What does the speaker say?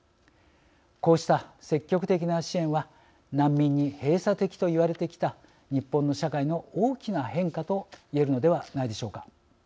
こうした積極的な支援は難民に閉鎖的と言われてきた日本の社会の大きな変化と言えるのではないでしょうか。